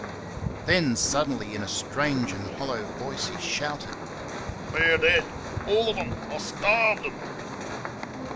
Then suddenly, in a strange and hollow voice, he shouted, "THEY' RE DEAD ALL OF THEN! I STARVED THEM!"